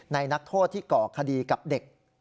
นักโทษที่ก่อคดีกับเด็ก